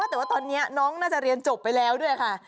แต่ว่าตอนนี้น้องน่าจะเรียนจบไปแล้วด้วยค่ะ